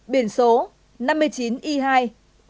biển số năm mươi chín i hai ba mươi nghìn một trăm chín mươi tám